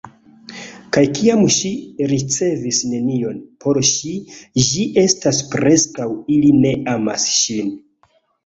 Kaj kiam ŝi ricevis nenion, por ŝi, ĝi estas preskaŭ ili ne amas ŝin.